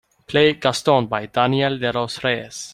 Play Gaston by Daniel De Los Reyes.